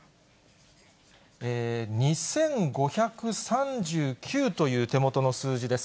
２５３９という手元の数字です。